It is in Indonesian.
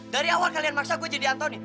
dari awal kalian maksa gua jadi anthony